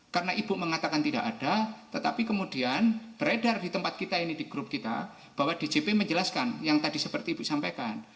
karena ibu mengatakan tidak ada tetapi kemudian beredar di tempat kita ini di grup kita bahwa djp menjelaskan yang tadi seperti ibu sampaikan